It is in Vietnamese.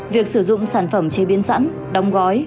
việc sử dụng sản phẩm chế biến sẵn đóng gói